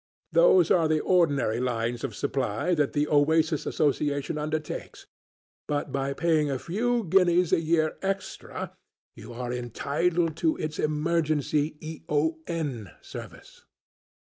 Those are the ordinary lines of supply that the Oasis Association undertakes, but by paying a few guineas a year extra you are entitled to its emergency E.O.N. service."